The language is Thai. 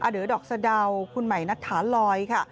อเดอร์ดอกสะเดาคุณหมายนัทฐานลอยค่ะ